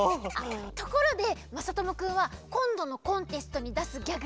ところでまさともくんはこんどのコンテストにだすギャグ